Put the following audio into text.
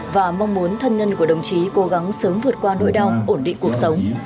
và mong muốn thân nhân của đồng chí cố gắng sớm vượt qua nỗi đau ổn định cuộc sống